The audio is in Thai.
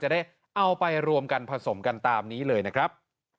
ได้เอาไปรวมกันผสมกันตามนี้เลยนะครับ